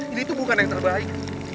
ini tuh bukan yang terbaik